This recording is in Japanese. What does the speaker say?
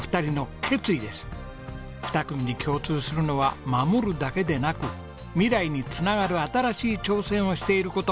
２組に共通するのは守るだけでなく未来につながる新しい挑戦をしている事。